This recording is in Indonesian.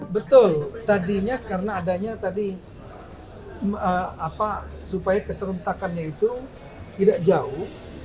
betul tadinya karena adanya tadi supaya keserentakannya itu tidak jauh